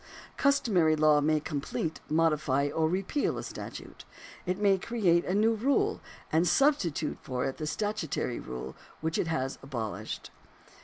Customary law may complete, modify, or repeal a statute ; it may create a new rule, and substitute it for the statutory rule which it has abolished."